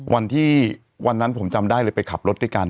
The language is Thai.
วันที่วันนั้นผมจำได้เลยไปขับรถด้วยกัน